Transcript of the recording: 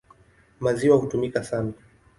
Maziwa hutumika sana.